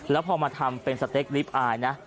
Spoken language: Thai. แล้วพอมาทำเป็นสเต็กลิฟต์อายนะ